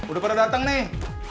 udah pada dateng nih